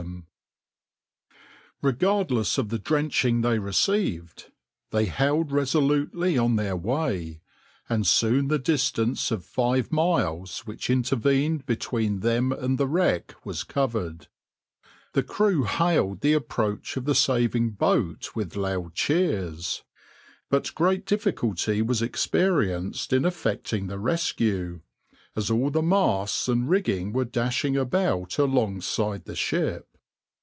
}}}} \end{minipage} \hfill{} \end{figure} Regardless of the drenching they received, they held resolutely on their way, and soon the distance of five miles which intervened between them and the wreck was covered. The crew hailed the approach of the saving boat with loud cheers, but great difficulty was experienced in effecting the rescue, as all the masts and rigging were dashing about alongside the ship.